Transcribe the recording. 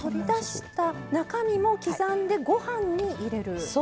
中身も刻んで、ご飯に入れる。